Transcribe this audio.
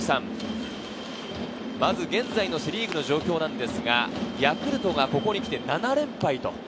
現在セ・リーグの状況ですが、ヤクルトがここにきて７連敗。